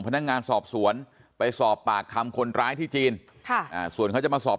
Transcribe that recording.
พนักงานสอบสวนไปสอบปากคำคนร้ายที่จีนค่ะอ่าส่วนเขาจะมาสอบ